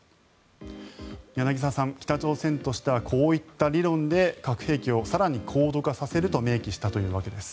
柳澤さん、北朝鮮としてはこういった理論で核兵器を更に高度化させると明記したというわけです。